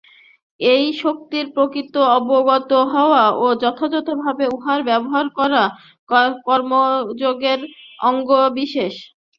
এই শক্তির প্রকৃতি অবগত হওয়া এবং যথাযথভাবে উহার ব্যবহার করা কর্মযোগের অঙ্গবিশেষ।